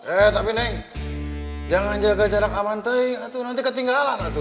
eh tapi nek jangan jaga jarak aman tuh nanti ketinggalan tuh ya ketinggalan tuh